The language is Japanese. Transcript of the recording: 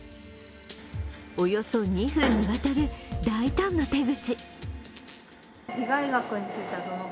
およそ２分にわたる大胆な手口。